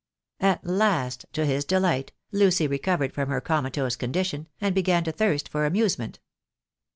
At last, to his delight, Lucy recovered from her coma tose condition, and began to thirst for amusement.